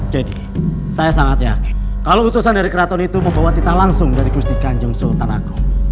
jadi saya sangat yakin kalau utusan dari keraton itu membawa titah langsung dari gusti kanjeng sultan agung